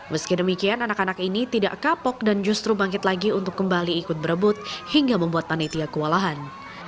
meski demikian anak anak ini tidak kapok dan justru bangkit lagi untuk kembali ikut berebut hingga membuat panitia kewalahan